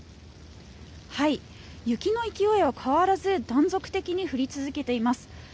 雪の勢いは変わらず断続的に降り続いています。